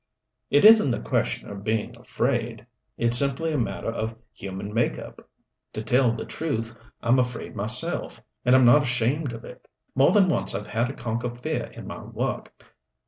"It isn't a question of being afraid. It's simply a matter of human make up. To tell the truth, I'm afraid myself and I'm not ashamed of it. More than once I've had to conquer fear in my work.